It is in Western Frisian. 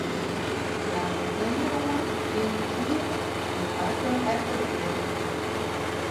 Hja die de klean oan, kjimde it hier, die parfum efter de earen.